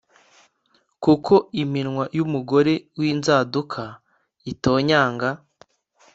Kuko iminwa y umugore w inzaduka itonyanga